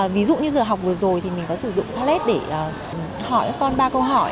ví dụ như giờ học vừa rồi thì mình có sử dụng palette để hỏi các con ba câu hỏi